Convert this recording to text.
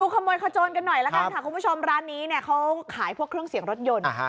ขโมยขโจนกันหน่อยละกันค่ะคุณผู้ชมร้านนี้เนี่ยเขาขายพวกเครื่องเสียงรถยนต์